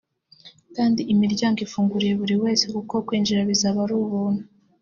kandi imiryango ifunguriye buri wese kuko kwinjira bizaba ari ubuntu